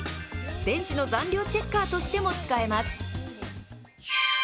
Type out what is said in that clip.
電池の残量チェッカーとしても使えます。